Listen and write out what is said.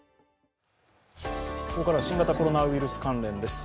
ここからは新型コロナウイルス関連です。